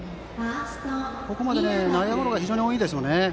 ここまで内野ゴロが非常に多いですね。